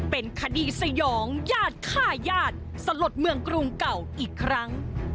เป็นคดีสยองญาติฆ่าญาติสลดเมืองกรุงเก่าอีกครั้ง